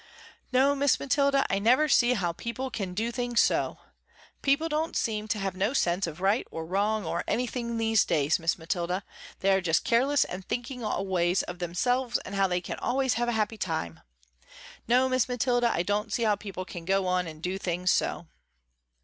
No Miss Mathilda, I never see how people can do things so. People don't seem to have no sense of right or wrong or anything these days Miss Mathilda, they are just careless and thinking always of themselves and how they can always have a happy time. No, Miss Mathilda I don't see how people can go on and do things so."